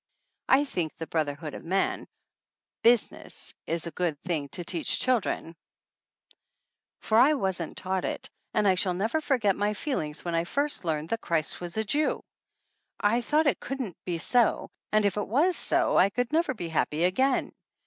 I think the "Brotherhood of Man" business is a good thing to teach children, for I wasn't taught it and I shall never forget my feelings when I first learned that Christ was a Jew ! I thought it couldn't be so, and if it was so I could never be happy again.